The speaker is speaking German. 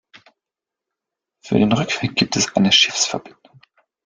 Für den Rückweg gibt es eine Schiffsverbindung.